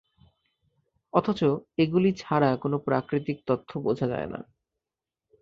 অথচ এগুলি ছাড়া কোন প্রাকৃতিক তথ্য বোঝা যায় না।